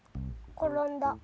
ころんだ。